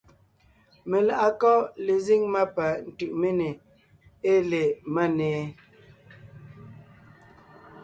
Meláʼakɔ́ lezíŋ má pa Tʉʼméne ée le Máne?